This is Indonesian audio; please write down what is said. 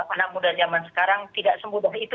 anak muda zaman sekarang tidak sebut